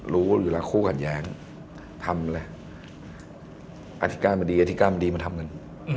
รู้อยู่แล้วคู่ขัดแย้งทำอะไรอธิการบดีอธิการบดีมาทำกัน